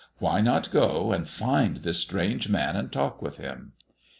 Why not go and find this strange Man and talk with Him?